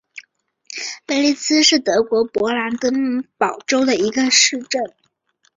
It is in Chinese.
贝利茨是德国勃兰登堡州的一个市镇。